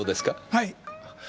はい。